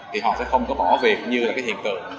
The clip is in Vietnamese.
thì họ sẽ không có bỏ việc như là cái hiện tượng